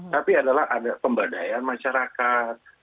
tapi adalah ada pemberdayaan masyarakat